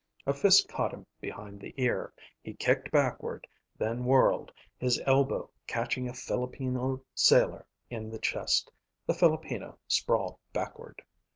A fist caught him behind the ear. He kicked backward, then whirled, his elbow catching a Filipino sailor in the chest. The Filipino sprawled backward.